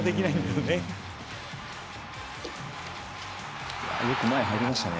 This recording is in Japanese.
よく前に入りましたね。